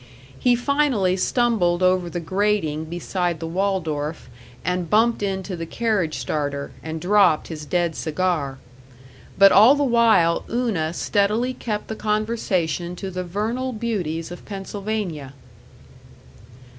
He finally stumbled over the grating beside the Waldorf and bumped into the carriage starter, and dropped his dead cigar. But all the while Una steadily kept the conversation to the vernal beauties of Pennsylvania.